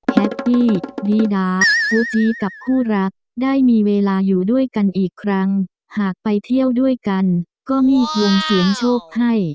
แฮปปี้ดีดาคู่จีกับคู่รักได้มีเวลาอยู่ด้วยกันอีกครั้งหากไปเที่ยวด้วยกันก็มีวงเสียงโชคให้